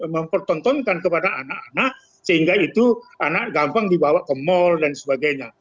mempertontonkan kepada anak anak sehingga itu anak gampang dibawa ke mal dan sebagainya